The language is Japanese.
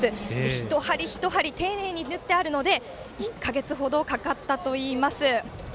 １針１針、丁寧に縫っているので１か月程かかったといいます。